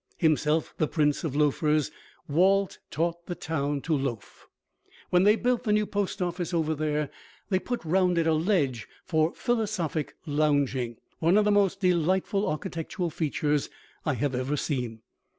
Himself the prince of loafers, Walt taught the town to loaf. When they built the new postoffice over there they put round it a ledge for philosophic lounging, one of the most delightful architectural features I have ever seen.